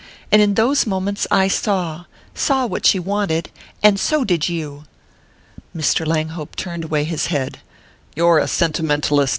and in those moments I saw...saw what she wanted...and so did you!" Mr. Langhope turned away his head. "You're a sentimentalist!"